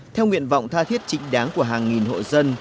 theo nguyện vọng tha thiết trịnh đáng của hàng nghìn hộ dân